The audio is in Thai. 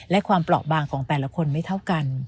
และความเปราะบางของแต่ละคนไม่เท่ากัน